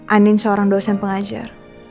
andin seorang dosen pengajar